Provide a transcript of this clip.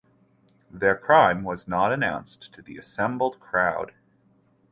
Their crime was not announced to the assembled crowd.